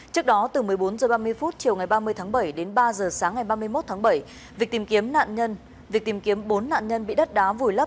trước đó từ một mươi bốn h ba mươi chiều ngày ba mươi tháng bảy đến ba h sáng ngày ba mươi một tháng bảy việc tìm kiếm bốn nạn nhân bị đất đá vùi lấp